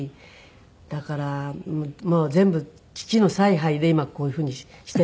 だから全部父の采配で今こういうふうにして。